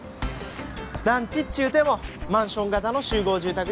団地っちゅうてもマンション型の集合住宅じゃなか。